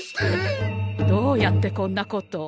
どうやってこんなことを？